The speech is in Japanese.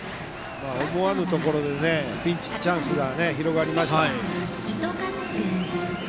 思わぬところでチャンスが広がりましたね。